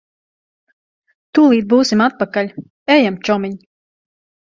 Tūlīt būsim atpakaļ. Ejam, čomiņ.